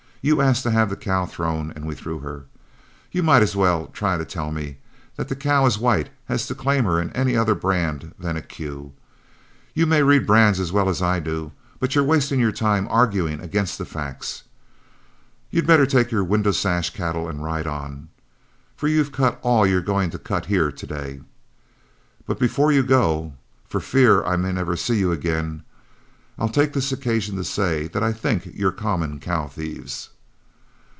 You asked to have the cow thrown, and we threw her. You might as well try to tell me that the cow is white as to claim her in any other brand than a 'Q.' You may read brands as well as I do, but you're wasting time arguing against the facts. You'd better take your 'Window Sash' cattle and ride on, for you've cut all you're going to cut here to day. But before you go, for fear I may never see you again, I'll take this occasion to say that I think you're common cow thieves."